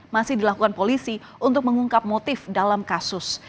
masih dilakukan polisi untuk mengungkap motif dalam kasus